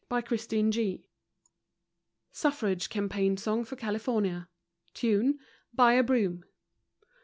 ANOTHER STAR f (Suffrage Campaign Song for California) TUNE: "Buy a Broom."